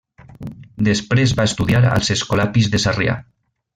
Després va estudiar als escolapis de Sarrià.